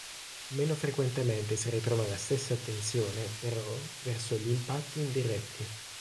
Meno frequentemente si ritrova la stessa attenzione, però, verso gli impatti indiretti.